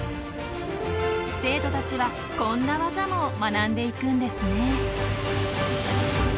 生徒たちはこんなワザも学んでいくんですね。